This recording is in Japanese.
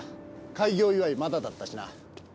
開業祝いまだだったしな。